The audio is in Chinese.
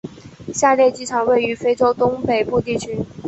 下列机场位于非洲东北部地区。